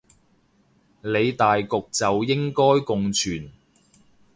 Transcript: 理大局就應該共存